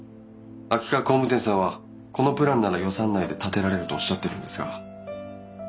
秋川工務店さんはこのプランなら予算内で建てられるとおっしゃってるんですが。